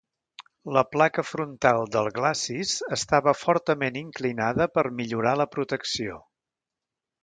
La placa frontal del glacis estava fortament inclinada per millorar la protecció.